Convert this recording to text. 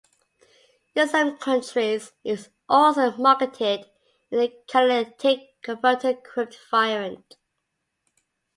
In some countries it was also marketed in a catalytic converter-equipped variant.